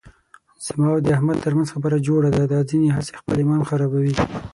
زما او د احمد ترمنځ خبره جوړه ده، دا ځنې هسې خپل ایمان خرابوي.